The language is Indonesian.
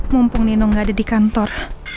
mumpung nino nggak ada di kantor